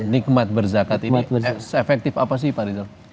nikmat berzakat ini se efektif apa sih pak ridho